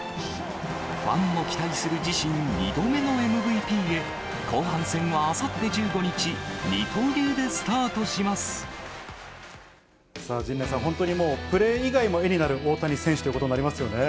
ファンも期待する自身２度目のＭＶＰへ、後半戦はあさって１５日、さあ、陣内さん、本当にもう、プレー以外も絵になる大谷選手ということになりますよね。